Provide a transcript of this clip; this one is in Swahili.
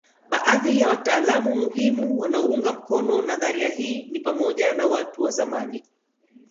Baadhi ya wataalamu muhimu wanaoiunga mkono nadharia hii ni pamoja na watu wa zamani